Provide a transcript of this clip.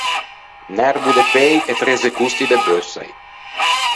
Un erbo de pei e trezze costi de beussai.